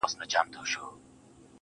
مثبت فکر د خوښۍ سرچینه ده.